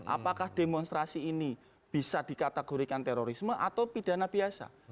apakah demonstrasi ini bisa dikategorikan terorisme atau pidana biasa